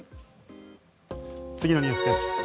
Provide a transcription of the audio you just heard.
次のニュースです。